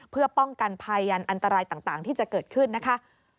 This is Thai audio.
เพื่อป้องกันภัยยันอันตรายต่างที่จะเกิดขึ้นนะคะ